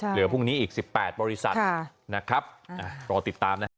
เหลือพรุ่งนี้อีก๑๘บริษัทนะครับรอติดตามนะครับ